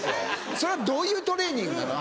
それはどういうトレーニングなの？